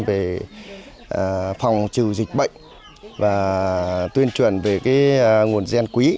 về phòng trừ dịch bệnh và tuyên truyền về nguồn gen quý